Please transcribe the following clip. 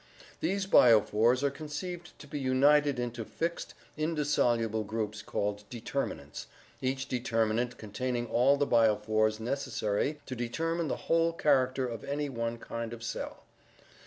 These biophors are con ceived to be united into fixed, indissoluble groups called determinants, VARIATION AND MUTATION 141 each determinant containing all the biophors necessary to determine the whole character of any one kind of cell.